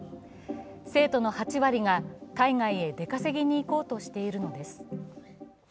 生徒の８割が海外へ出稼ぎに行こうとしているのです。